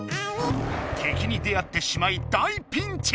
敵に出会ってしまい大ピンチ！